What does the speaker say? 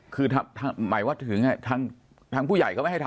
คือหมายว่าถึงทางผู้ใหญ่เขาไม่ให้ทำ